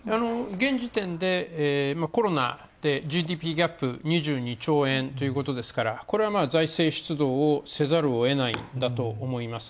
現時点でコロナでＧＤＰギャップ２２兆円ということですからこれは財政出動をせざるをえないんだと思います。